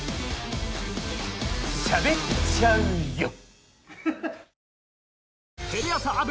しゃべっちゃうよ！